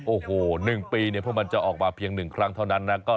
โอ้โหหนึ่งปีนี่พวกมันจะออกมาเพียงหนึ่งครั้งเท่านั้นนะ